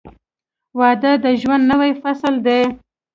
• واده د ژوند نوی فصل دی.